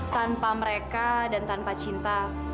tanpa mereka dan tanpa cinta